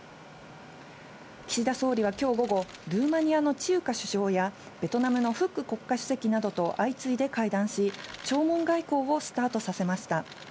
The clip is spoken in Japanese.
岸田総理はきょう午後、ルーマニアのチウカ首相や、ベトナムのフック国家主席などと相次いで会談し、弔問外交をスタートさせました。